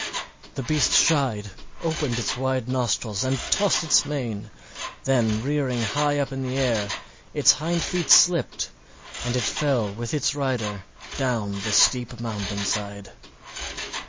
The beast shied, opened its wide nostrils, and tossed its mane, then rearing high up in the air, its hind feet slipped and it fell with its rider down the steep mountain side.